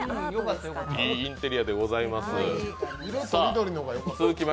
いいインテリアでございます。